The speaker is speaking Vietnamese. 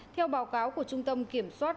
theo báo cáo của trung tâm kiểm soát